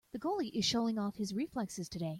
The goalie is showing off his reflexes today.